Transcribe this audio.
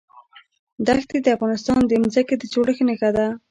دښتې د افغانستان د ځمکې د جوړښت نښه ده.